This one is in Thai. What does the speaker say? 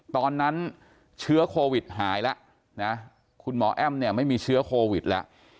ตอนนั้นเชื้อโควิดหายแล้วนะคุณหมอแอ้มเนี่ยไม่มีเชื้อโควิดแล้ว